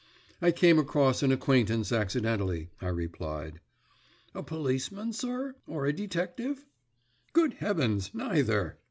"I came across an acquaintance accidentally," I replied. "A policeman, sir, or a detective?" "Good heavens, neither!"